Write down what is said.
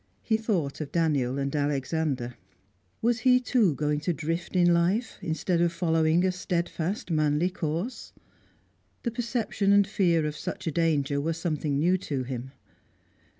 He thought of Daniel and Alexander. Was he, too, going to drift in life, instead of following a steadfast, manly course? The perception and fear of such a danger were something new to him.